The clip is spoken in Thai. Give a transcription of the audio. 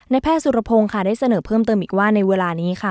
แพทย์สุรพงศ์ค่ะได้เสนอเพิ่มเติมอีกว่าในเวลานี้ค่ะ